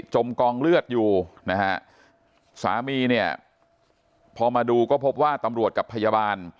จมกองเลือดอยู่นะฮะสามีเนี่ยพอมาดูก็พบว่าตำรวจกับพยาบาล